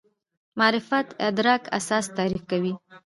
معرفت ادراک اساس تعریف کوي.